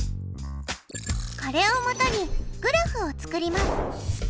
これをもとにグラフを作ります。